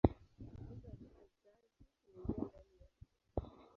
Mimba ya kizazi huingia ndani ya uke.